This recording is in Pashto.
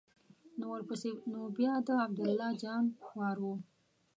ورپسې نو بیا د عبدالله جان وار و.